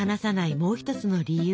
もう一つの理由。